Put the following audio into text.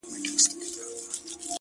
پر وجود څه ډول حالت وو اروا څه ډول وه،